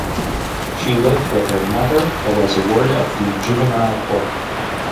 She lived with her mother, but was a ward of the Juvenile Court.